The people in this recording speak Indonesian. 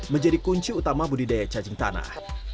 menjadi kunci utama budidaya cacing tanah